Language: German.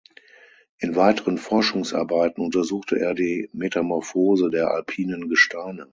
In weiteren Forschungsarbeiten untersuchte er die Metamorphose der alpinen Gesteine.